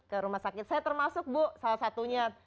ke rumah sakit saya termasuk bu salah satunya